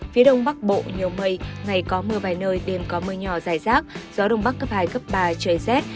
phía đông bắc bộ nhiều mây ngày có mưa vài nơi đêm có mưa nhỏ dài rác gió đông bắc cấp hai cấp ba trời rét